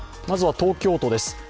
まずは東京都です。